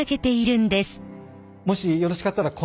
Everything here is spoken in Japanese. もしよろしかったらはい。